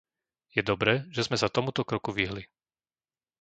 Je dobré, že sme sa tomuto kroku vyhli.